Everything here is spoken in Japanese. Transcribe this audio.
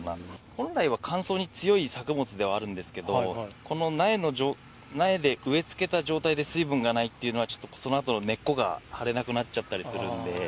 本来は乾燥に強い作物ではあるんですけど、この苗で植え付けた状態で水分がないっていうのは、ちょっとそのあとの根っこが張れなくなっちゃったりするんで。